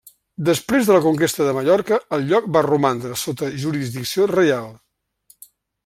Després de la conquesta de Mallorca, el lloc va romandre sota jurisdicció reial.